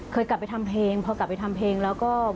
เคยกลับไปทำเพลงพอกลับไปทำเพลงแล้วก็